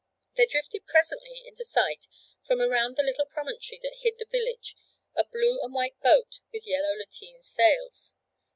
There drifted presently into sight from around the little promontory that hid the village a blue and white boat with yellow lateen sails.